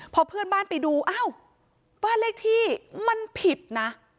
พอเพื่อนบ้านไปดูอ้าวบ้านเลขที่มันผิดนะ